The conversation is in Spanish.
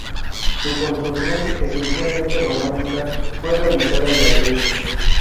Su construcción, esencialmente románica, fue realizada en ladrillo.